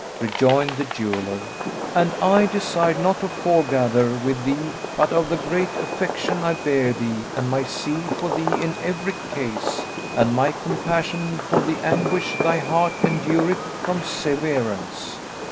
Rejoined the jeweller, "And I desired not to foregather with thee but of the great affection I bear thee and my zeal for thee in every case, and my compassion for the anguish thy heart endureth from severance.